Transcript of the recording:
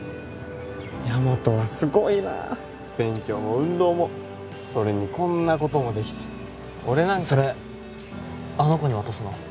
ヤマトはすごいなあ勉強も運動もそれにこんなこともできて俺なんかそれあの子に渡すの？